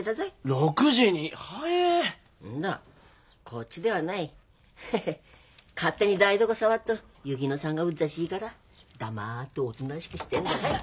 こっちではないヘヘヘ勝手に台所触っと薫乃さんがうっつぁしいから黙っておとなしくしてんだわい。